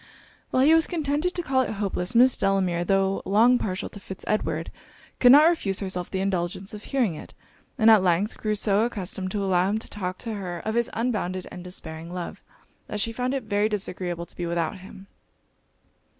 While he was contented to call it hopeless, Miss Delamere, tho' long partial to Fitz Edward, could not refuse herself the indulgence of hearing it; and at length grew so accustomed to allow him to talk to her of his unbounded and despairing love, that she found it very disagreeable to be without him.